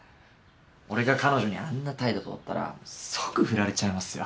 俺が彼女にあんな態度取ったら即フラれちゃいますよ。